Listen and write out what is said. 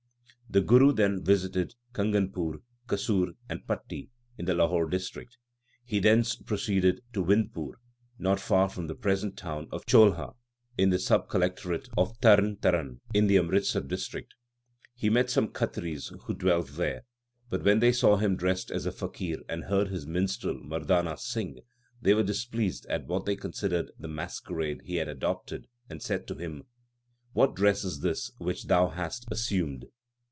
The Guru then visited Kanganpur, Kasur, and Patti in the Lahore District. He thence proceeded to Windpur, not far from the present town of Cholha, in the sub collectorate of Tarn Taran in the Amritsar District. He met some Khatris who dwelt there ; but when they saw him dressed as a f aqir and heard his minstrel Mardana sing, they were displeased at what they considered the masquerade he had adopted, and said to him, What dress is this which thou hast assumed